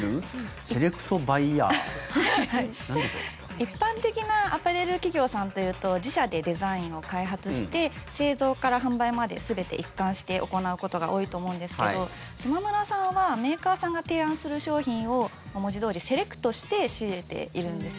一般的なアパレル企業さんというと自社でデザインを開発して製造から販売まで全て一貫して行うことが多いと思うんですけどしまむらさんはメーカーさんが提案する商品を文字どおり、セレクトして仕入れているんです。